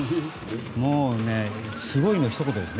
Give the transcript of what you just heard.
もうね、すごいのひと言です。